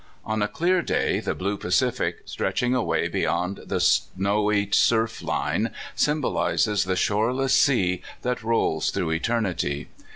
On a clear day, the blue Pacific, stretching away beyond the snowy surf line, symbolizes the shoreless sea that rolls through eternity.